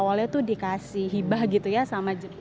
awalnya itu dikasih hibah gitu ya sama jepang